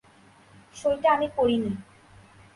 সইটা আমি করিনি।